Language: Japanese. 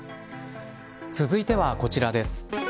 続いてはこちらです。